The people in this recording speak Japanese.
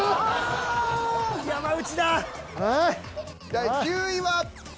第９位は。